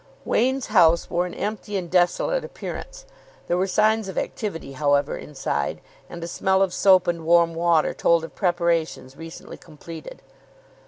Wain's house wore an empty and desolate appearance. There were signs of activity, however, inside; and a smell of soap and warm water told of preparations recently completed.